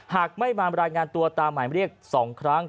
หากไม่มารายงานตัวตามหมายเรียก๒ครั้ง